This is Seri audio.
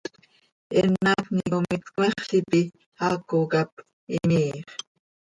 Eenm haacni com itcmexl ipi, haaco cap imiiix.